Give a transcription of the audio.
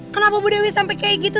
kenapa bu dewi sampai kayak gitu